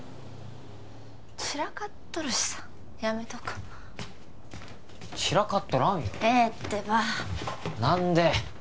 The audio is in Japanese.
散らかっとるしさやめとこ散らかっとらんよええってば何で？